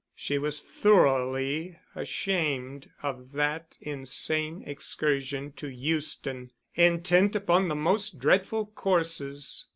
She was thoroughly ashamed of that insane excursion to Euston, intent upon the most dreadful courses.